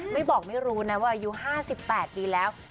ไม่บอกไม่รู้นะว่าอายุ๕๘ปีแล้ว